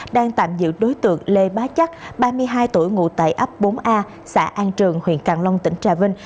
đang tạm giữ đối tượng lê bá chắc ba mươi hai tuổi ngụ tại ấp bốn a xã an trường huyện càng long tỉnh trà vinh